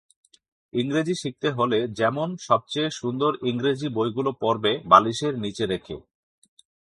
ইংরেজি শিখতে হলে যেমন সবচেয়ে সুন্দর ইংরেজি বইগুলো পড়বে বালিশের নিচে রেখে।